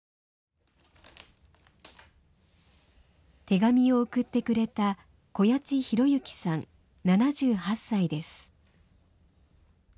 手紙を送ってくれた小谷内博之さん７８歳です。